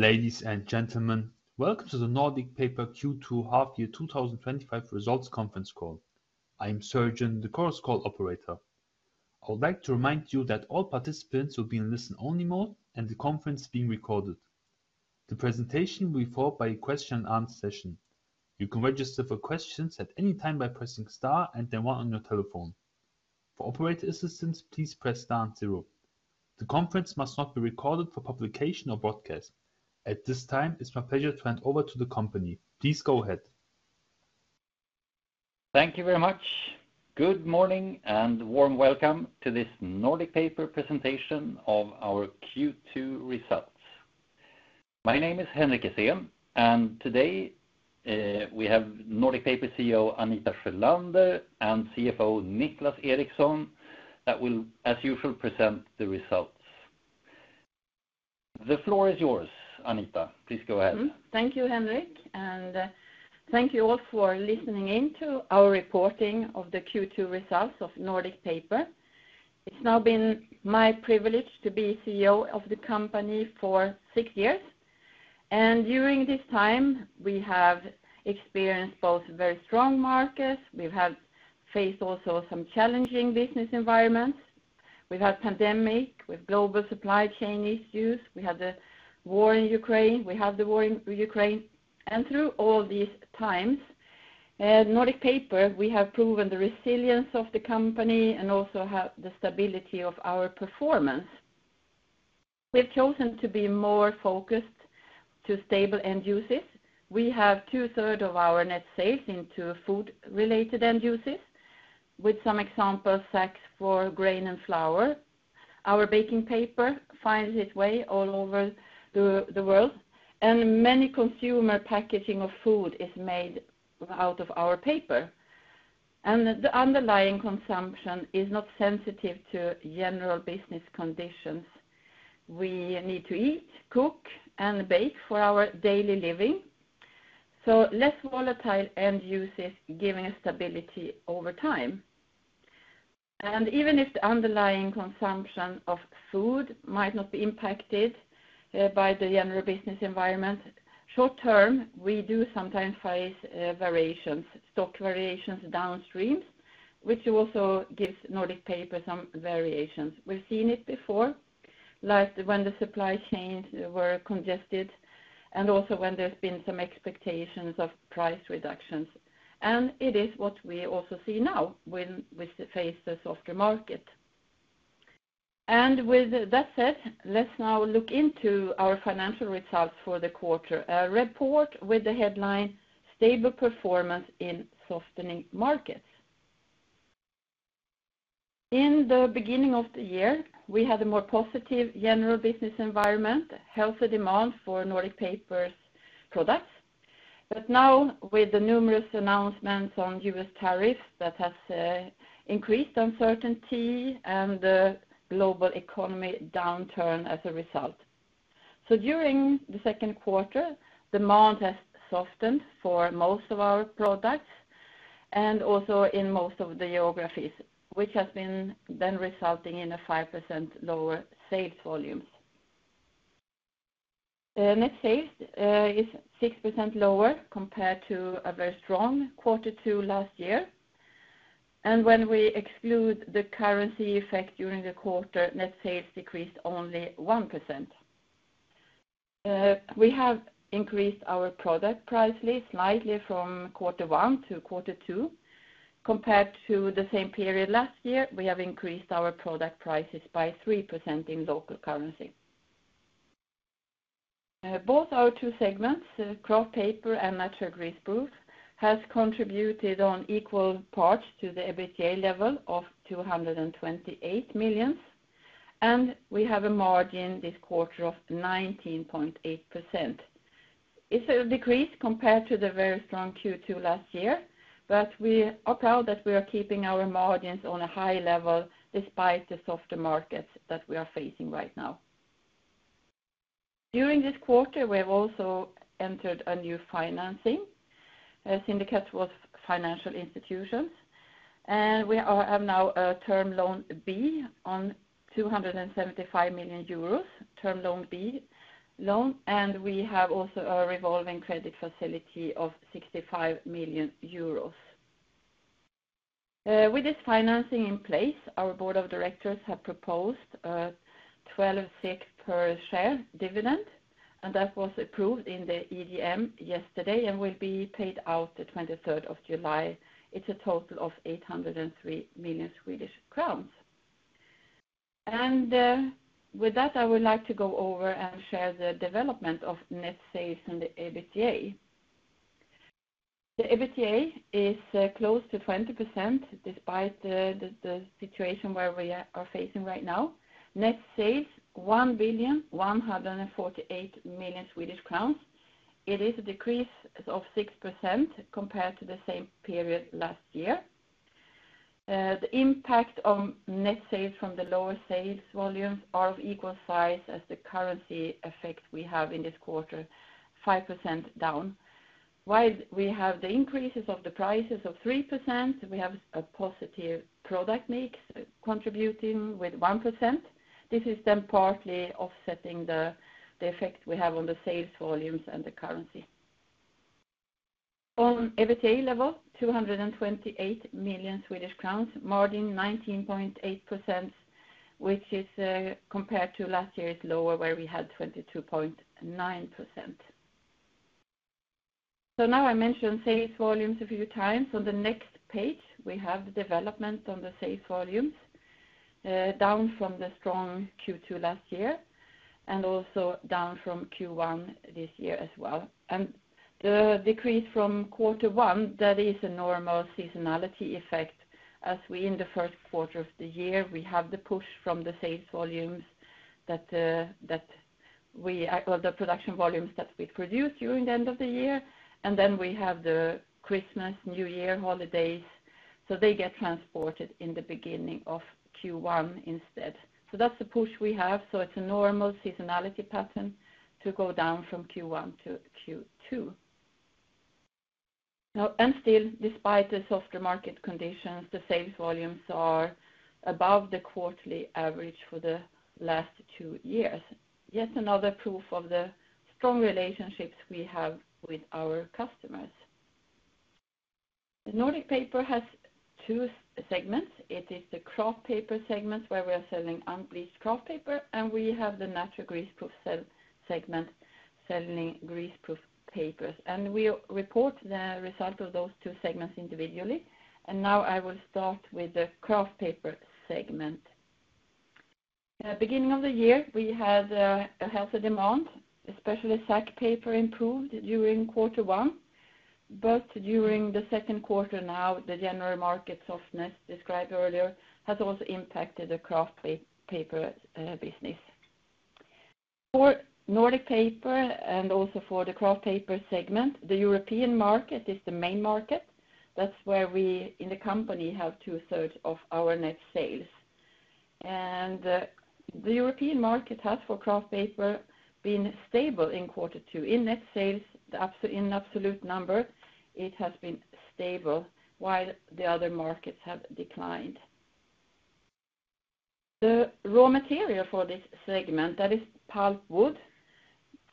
Ladies and gentlemen, welcome to the Nordic Paper Q2 half year 2025 results conference call. I am [Sergean], the chorus call operator. I would like to remind you that all participants will be in listen-only mode, and the conference is being recorded. The presentation will be followed by a question-and-answer session. You can register for questions at any time by pressing star and then one on your telephone. For operator assistance, please press star and zero. The conference must not be recorded for publication or broadcast. At this time, it's my pleasure to hand over to the company. Please go ahead. Thank you very much. Good morning and warm welcome to this Nordic Paper presentation of our Q2 results. My name is Henrik Essén, and today we have Nordic Paper CEO Anita Sjölander and CFO Niclas Eriksson that will, as usual, present the results. The floor is yours, Anita. Please go ahead. Thank you, Henrik, and thank you all for listening in to our reporting of the Q2 results of Nordic Paper. It's now been my privilege to be CEO of the company for six years, and during this time, we have experienced both very strong markets. We've also faced some challenging business environments. We've had a pandemic with global supply chain issues. We had the war in Ukraine, and through all these times, Nordic Paper, we have proven the resilience of the company and also the stability of our performance. We've chosen to be more focused on stable end uses. We have 2/3 of our net sales into food-related end uses, with some examples: sacks for grain and flour. Our baking paper finds its way all over the world, and many consumer packaging of food is made out of our paper. The underlying consumption is not sensitive to general business conditions. We need to eat, cook, and bake for our daily living. Less volatile end uses give us stability over time. Even if the underlying consumption of food might not be impacted by the general business environment, short term, we do sometimes face variations, stock variations downstream, which also gives Nordic Paper some variations. We've seen it before, like when the supply chains were congested and also when there's been some expectations of price reductions. It is what we also see now when we face the softer market. With that said, let's now look into our financial results for the quarter, a report with the headline "Stable Performance in Softening Markets." In the beginning of the year, we had a more positive general business environment, healthy demand for Nordic Paper products. Now, with the numerous announcements on U.S. tariffs that have increased uncertainty and the global economy downturn as a result. During the second quarter, demand has softened for most of our products and also in most of the geographies, which has been then resulting in a 5% lower sales volume. Net sales is 6% lower compared to a very strong quarter two last year. When we exclude the currency effect during the quarter, net sales decreased only 1%. We have increased our product price levels slightly from quarter one to quarter two. Compared to the same period last year, we have increased our product prices by 3% in local currency. Both our two segments, Kraft Paper and Natural Greaseproof paper, have contributed on equal parts to the EBITDA level of 228 million, and we have a margin this quarter of 19.8%. It's a decrease compared to the very strong Q2 last year, but we are proud that we are keeping our margins on a high level despite the softer markets that we are facing right now. During this quarter, we have also entered a new financing syndicate for financial institutions, and we have now a term loan B of 275 million euros, term loan B loan, and we have also a revolving credit facility of 65 million euros. With this financing in place, our Board of Directors have proposed a 12.6 SEK per share dividend, and that was approved in the EGM yesterday and will be paid out the 23rd of July. It's a total of 803 million Swedish crowns. With that, I would like to go over and share the development of net sales in the EBITDA. The EBITDA is close to 20% despite the situation we are facing right now. Net sales: 1,148 million Swedish crowns. It is a decrease of 6% compared to the same period last year. The impact on net sales from the lower sales volumes is of equal size as the currency effect we have in this quarter, 5% down. While we have the increases of the prices of 3%, we have a positive product mix contributing with 1%. This is then partly offsetting the effect we have on the sales volumes and the currency. On EBITDA level, 228 million Swedish crowns, margin 19.8%, which is compared to last year's lower where we had 22.9%. I mentioned sales volumes a few times. On the next page, we have the development on the sales volumes, down from the strong Q2 last year and also down from Q1 this year as well. The decrease from quarter one, that is a normal seasonality effect, as we in the first quarter of the year, we have the push from the sales volumes that we, or the production volumes that we produce during the end of the year. We have the Christmas, New Year holidays, so they get transported in the beginning of Q1 instead. That's the push we have. It's a normal seasonality pattern to go down from Q1 to Q2. Still, despite the softer market conditions, the sales volumes are above the quarterly average for the last two years. Yet another proof of the strong relationships we have with our customers. Nordic Paper has two segments. It is the Kraft Paper segment where we are selling unbleached Kraft Paper, and we have the Natural Greaseproof segment selling greaseproof papers. We report the result of those two segments individually. I will start with the Kraft Paper segment. At the beginning of the year, we had a healthy demand, especially sack paper improved during quarter one. During the second quarter now, the general market softness described earlier has also impacted the Kraft Paper business. For Nordic Paper and also for the Kraft Paper segment, the European market is the main market. That's where we, in the company, have 2/3 of our net sales. The European market has for Kraft Paper been stable in quarter two. In net sales, in absolute numbers, it has been stable while the other markets have declined. The raw material for this segment, that is pulp wood.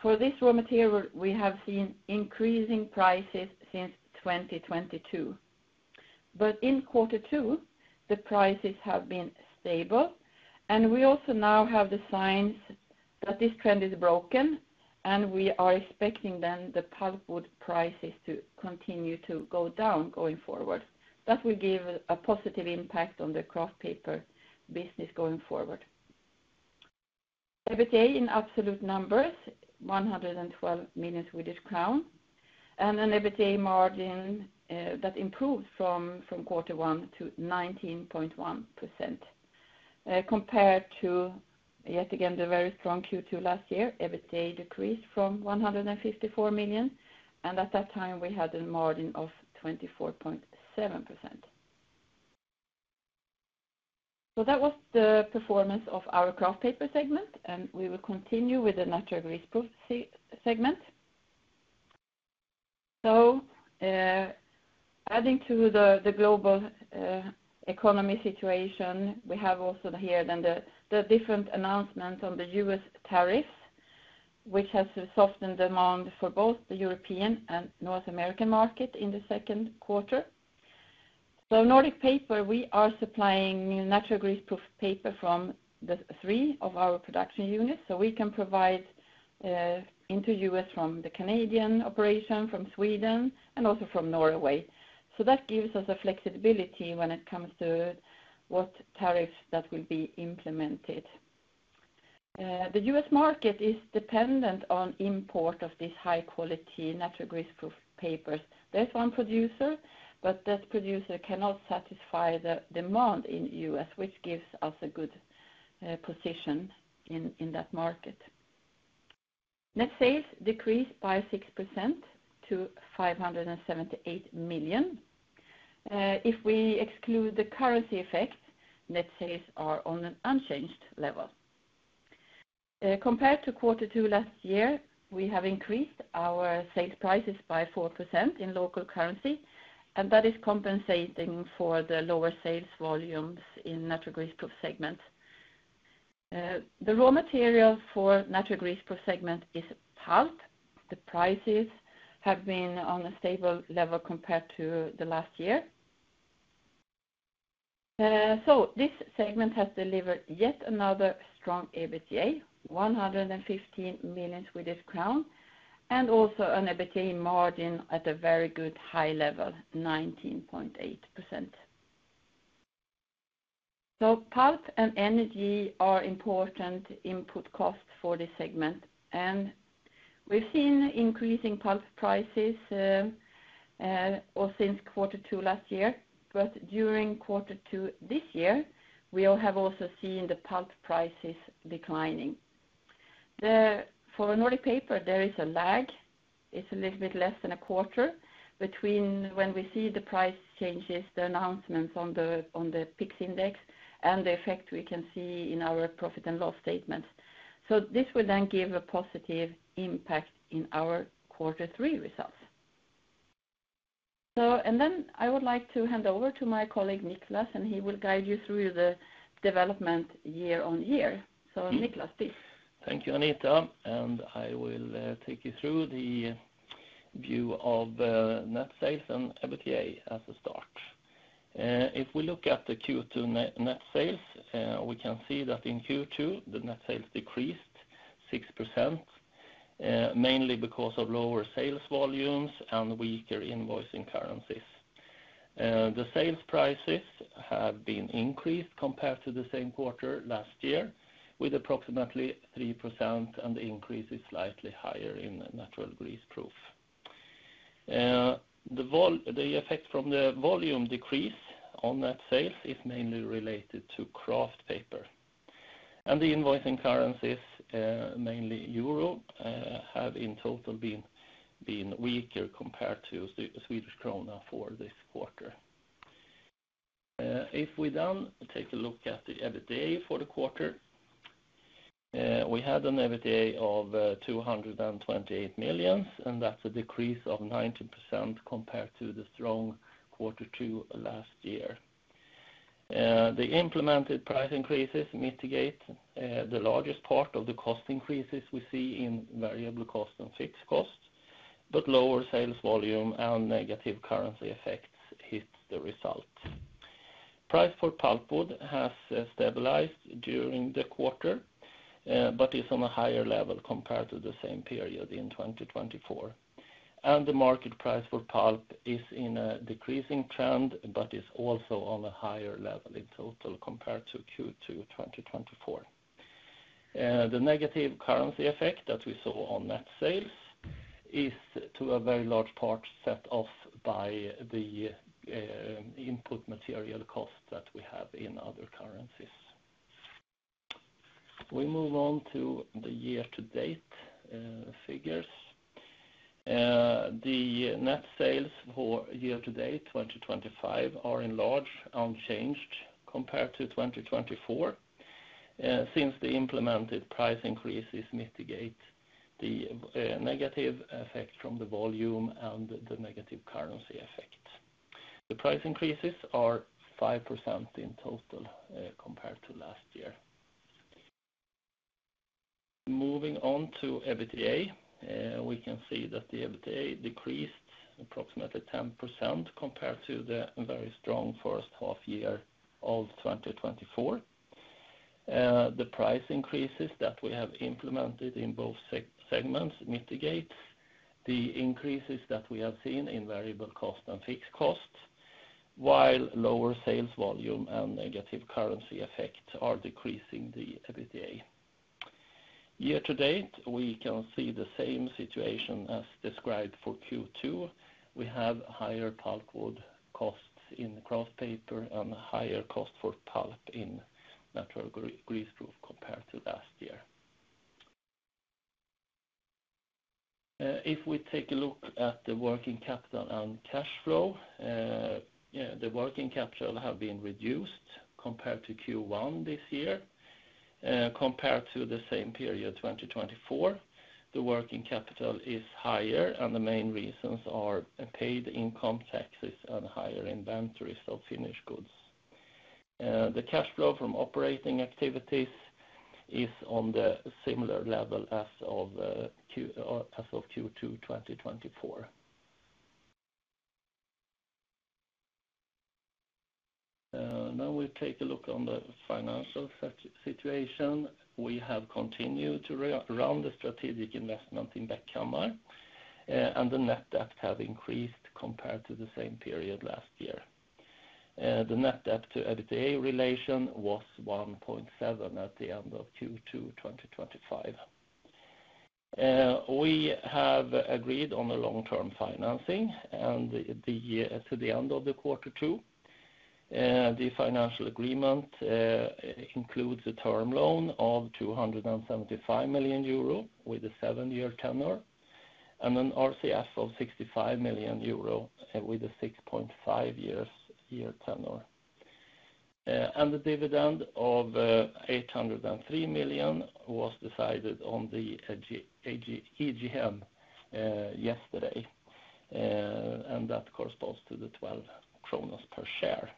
For this raw material, we have seen increasing prices since 2022. In quarter two, the prices have been stable. We also now have the signs that this trend is broken, and we are expecting then the pulp wood prices to continue to go down going forward. That will give a positive impact on the Kraft Paper business going forward. EBITDA in absolute numbers, 112 million Swedish crowns, and an EBITDA margin that improved from quarter one to 19.1%. Compared to, yet again, the very strong Q2 last year, EBITDA decreased from 154 million, and at that time, we had a margin of 24.7%. That was the performance of our Kraft Paper segment, and we will continue with the Natural Greaseproof segment. Adding to the global economy situation, we have also here then the different announcements on the U.S. tariffs, which has softened demand for both the European and North American market in the second quarter. Nordic Paper, we are supplying new Natural Greaseproof paper from three of our production units. We can provide into the U.S. from the Canadian operation, from Sweden, and also from Norway. That gives us a flexibility when it comes to what tariffs that will be implemented. The U.S. market is dependent on the import of these high-quality Natural Greaseproof papers. There's one producer, but that producer cannot satisfy the demand in the U.S., which gives us a good position in that market. Net sales decreased by 6% to 578 million. If we exclude the currency effect, net sales are on an unchanged level. Compared to quarter two last year, we have increased our sales prices by 4% in local currency, and that is compensating for the lower sales volumes in the Natural Greaseproof segment. The raw material for the Natural Greaseproof segment is pulp. The prices have been on a stable level compared to the last year. This segment has delivered yet another strong EBITDA, 115 million Swedish crown, and also an EBITDA margin at a very good high level, 19.8%. Pulp and energy are important input costs for this segment. We've seen increasing pulp prices since quarter two last year. During quarter two this year, we have also seen the pulp prices declining. For Nordic Paper, there is a lag. It's a little bit less than a quarter between when we see the price changes, the announcements on the PIX index, and the effect we can see in our profit and loss statements. This will then give a positive impact in our quarter three results. I would like to hand over to my colleague Niclas, and he will guide you through the development year-on-year. Niclas, please. Thank you, Anita. I will take you through the view of net sales and EBITDA as a start. If we look at the Q2 net sales, we can see that in Q2, the net sales decreased 6%, mainly because of lower sales volumes and weaker invoicing currencies. The sales prices have been increased compared to the same quarter last year with approximately 3%, and the increase is slightly higher in Natural Greaseproof. The effects from the volume decrease on net sales is mainly related to Kraft Paper. The invoicing currencies, mainly euro, have in total been weaker compared to Swedish krona for this quarter. If we then take a look at the EBITDA for the quarter, we had an EBITDA of 228 million, and that's a decrease of 19% compared to the strong quarter two last year. The implemented price increases mitigate the largest part of the cost increases we see in variable cost and fixed cost, but lower sales volume and negative currency effects hit the result. Price for pulpwood has stabilized during the quarter, but is on a higher level compared to the same period in 2024. The market price for pulp is in a decreasing trend, but is also on a higher level in total compared to Q2 2024. The negative currency effect that we saw on net sales is to a very large part set off by the input material costs that we have in other currencies. We move on to the year-to-date figures. The net sales for year-to-date 2025 are in large unchanged compared to 2024 since the implemented price increases mitigate the negative effect from the volume and the negative currency effect. The price increases are 5% in total compared to last year. Moving on to EBITDA, we can see that the EBITDA decreased approximately 10% compared to the very strong first half year of 2024. The price increases that we have implemented in both segments mitigate the increases that we have seen in variable cost and fixed cost, while lower sales volume and negative currency effect are decreasing the EBITDA. Year-to-date, we can see the same situation as described for Q2. We have higher pulpwood costs in the Kraft Paper and a higher cost for pulp in Natural Greaseproof compared to last year. If we take a look at the working capital and cash flow, the working capital has been reduced compared to Q1 this year. Compared to the same period, 2024, the working capital is higher, and the main reasons are paid income taxes and higher inventories of finished goods. The cash flow from operating activities is on the similar level as of Q2 2024. Now we take a look on the financial situation. We have continued to run the strategic investment in Bäckhammar, and the net debt has increased compared to the same period last year. The net debt to EBITDA relation was 1.7 at the end of Q2 2025. We have agreed on a long-term financing to the end of the quarter two. The financial agreement includes a term loan of 275 million euro with a seven-year tenor and an RCF of 65 million euro with a 6.5-year tenor. The dividend of 803 million was decided on the EGM yesterday, and that corresponds to 12 per share.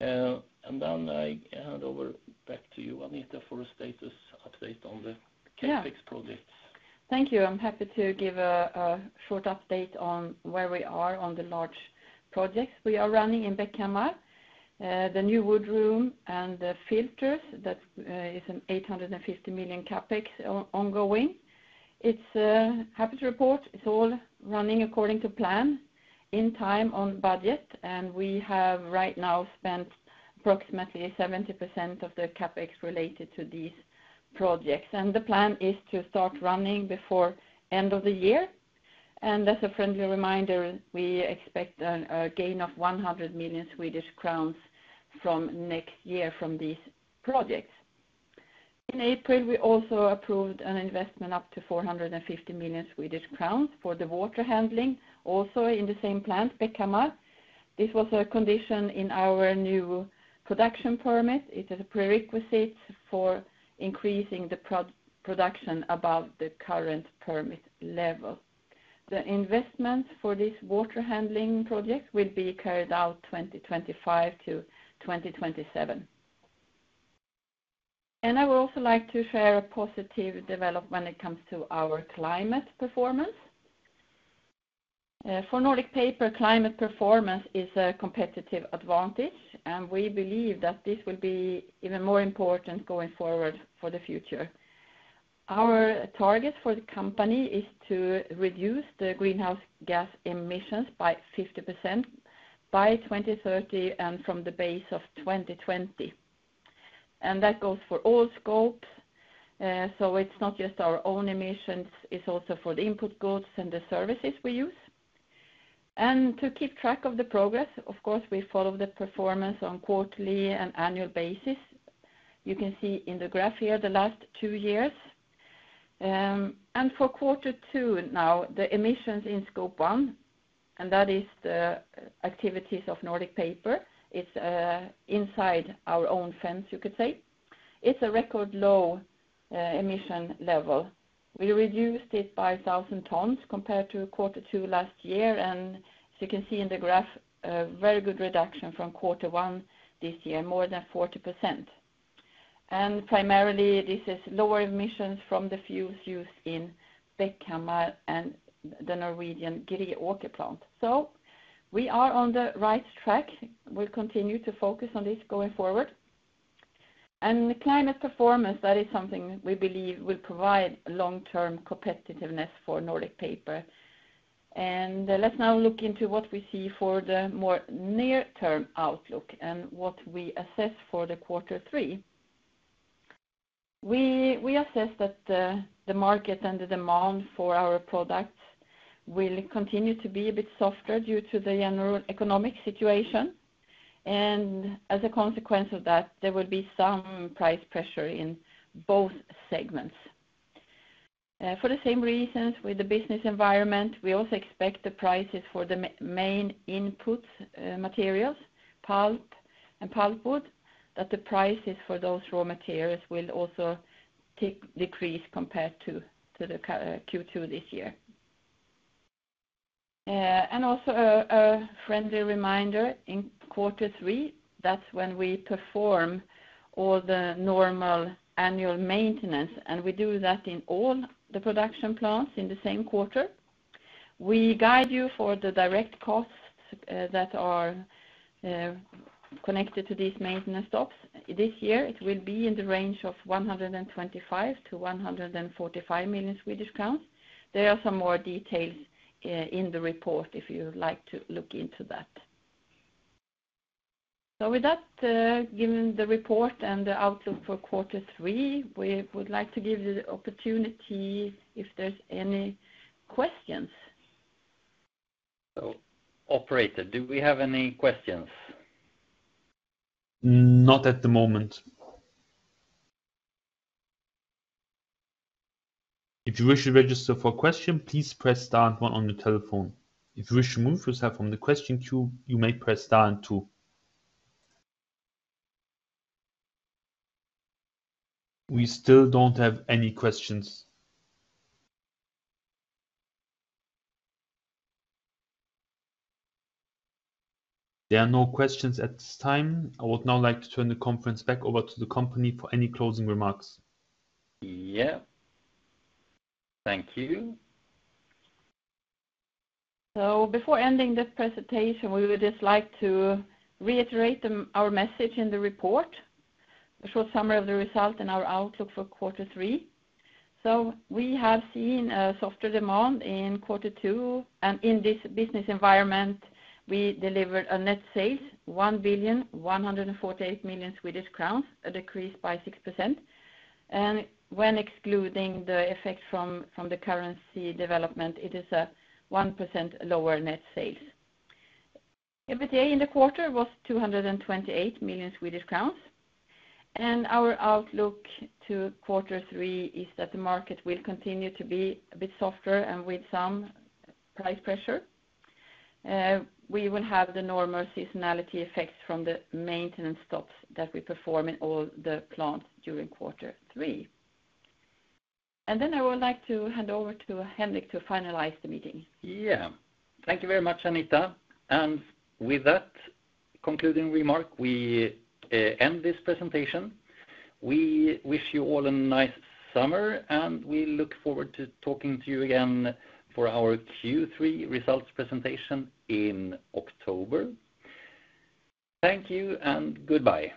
I hand over back to you, Anita, for a status update on the CapEx project. Thank you. I'm happy to give a short update on where we are on the large projects we are running in Bäckhammar. The new woodroom and the filters, that is an 850 million CapEx ongoing. It's happy to report it's all running according to plan, in time, on budget, and we have right now spent approximately 70% of the CapEx related to these projects. The plan is to start running before the end of the year. As a friendly reminder, we expect a gain of 100 million Swedish crowns from next year from these projects. In April, we also approved an investment up to 450 million Swedish crowns for the water handling, also in the same plant, Bäckhammar. This was a condition in our new production permit. It is a prerequisite for increasing the production above the current permit level. The investment for this water handling project will be carried out 2025 to 2027. I would also like to share a positive development when it comes to our climate performance. For Nordic Paper, climate performance is a competitive advantage, and we believe that this will be even more important going forward for the future. Our target for the company is to reduce the greenhouse gas emissions by 50% by 2030 and from the base of 2020. That goes for all scopes. It's not just our own emissions. It's also for the input goods and the services we use. To keep track of the progress, of course, we follow the performance on a quarterly and annual basis. You can see in the graph here the last two years. For quarter two now, the emissions in scope 1, and that is the activities of Nordic Paper, it's inside our own fence, you could say. It's a record low emission level. We reduced it by 1,000 tons compared to quarter two last year. As you can see in the graph, a very good reduction from quarter one this year, more than 40%. Primarily, this is lower emissions from the fuels used in Bäckhammar and the Norwegian Greåker plant. We are on the right track. We'll continue to focus on this going forward. Climate performance, that is something we believe will provide long-term competitiveness for Nordic Paper. Let's now look into what we see for the more near-term outlook and what we assess for quarter three. We assess that the market and the demand for our products will continue to be a bit softer due to the general economic situation. As a consequence of that, there will be some price pressure in both segments. For the same reasons, with the business environment, we also expect the prices for the main input materials, pulp and pulpwood, that the prices for those raw materials will also decrease compared to Q2 this year. Also, a friendly reminder, in quarter three, that's when we perform all the normal annual maintenance, and we do that in all the production plants in the same quarter. We guide you for the direct costs that are connected to these maintenance stops. This year, it will be in the range of 125 million-145 million Swedish crowns. There are some more details in the report if you would like to look into that. With that, given the report and the outlook for quarter three, we would like to give you the opportunity if there's any questions. Operator, do we have any questions? Not at the moment. If you wish to register for a question, please press star and one on your telephone. If you wish to move yourself from the question queue, you may press star and two. We still don't have any questions. There are no questions at this time. I would now like to turn the conference back over to the company for any closing remarks. Thank you. Before ending this presentation, we would just like to reiterate our message in the report, a short summary of the result and our outlook for quarter three. We have seen a softer demand in quarter two, and in this business environment, we delivered net sales of 1,148 million Swedish crowns, a decrease by 6%. When excluding the effect from the currency development, it is a 1% lower net sales. EBITDA in the quarter was 228 million Swedish crowns. Our outlook to quarter three is that the market will continue to be a bit softer and with some price pressure. We will have the normal seasonality effects from the maintenance stops that we perform in all the plants during quarter three. I would like to hand over to Henrik to finalize the meeting. Thank you very much, Anita. With that concluding remark, we end this presentation. We wish you all a nice summer, and we look forward to talking to you again for our Q3 results presentation in October. Thank you and goodbye.